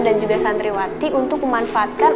dan juga santriwati untuk memanfaatkan